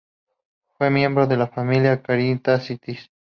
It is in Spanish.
Fue miembro de la Familia Caritatis.